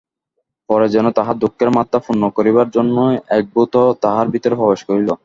পরে যেন তাহার দুঃখের মাত্রা পূর্ণ করিবার জন্যই এক ভূত তাহার ভিতরে প্রবেশ করিল।